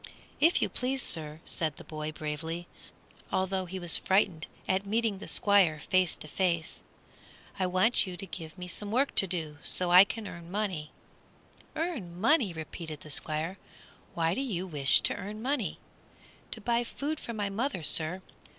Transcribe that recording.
"If you please, sir," said the boy, bravely, although he was frightened at meeting the Squire face to face, "I want you to give me some work to do, so that I can earn money." "Earn money!" repeated the Squire, "why do you wish to earn money?" "To buy food for my mother, sir.